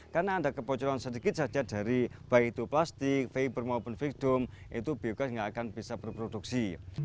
karena ada kebocoran sedikit saja dari baik itu plastik fiber maupun victoum itu biogas nggak akan bisa berproduksi